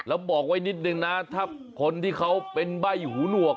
แล้วบอกไว้นิดนึงนะถ้าคนที่เขาเป็นใบ้หูหนวก